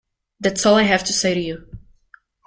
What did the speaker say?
That's all I have to say to you!